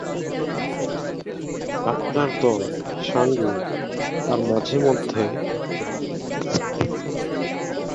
আপনার দল, সাঙ্গু আর মাঝেমাঝে দুয়েকটা সুপেয় ঝর্না, এই হল আদিমযুগে প্রবেশ করার একমাত্রসঙ্গী।